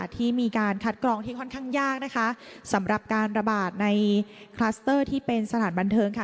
ที่มีการคัดกรองที่ค่อนข้างยากนะคะสำหรับการระบาดในคลัสเตอร์ที่เป็นสถานบันเทิงค่ะ